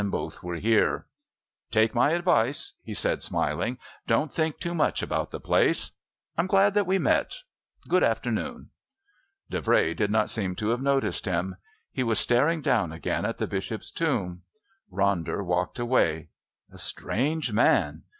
Both were here. "Take my advice," he said smiling. "Don't think too much about the place...I'm glad that we met. Good afternoon." Davray did not seem to have noticed him; he was staring down again at the Bishop's Tomb. Ronder walked away. A strange man!